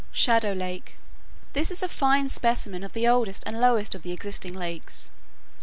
SHADOW LAKE This is a fine specimen of the oldest and lowest of the existing lakes.